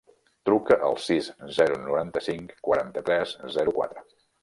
Truca al sis, zero, noranta-cinc, quaranta-tres, zero, quatre.